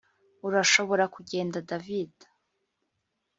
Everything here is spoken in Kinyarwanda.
Urashobora kugenda David